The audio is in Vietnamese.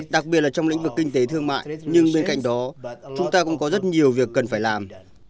đặc biệt là trong lĩnh vực kinh tế thương mại nhưng bên cạnh đó chúng ta cũng có rất nhiều việc cần phải làm